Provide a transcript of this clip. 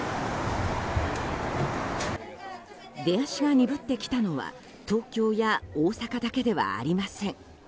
出足が鈍ってきたのは東京や大阪だけではありません。